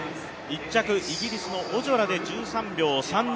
１着、イギリスのオジョラで１３秒３２。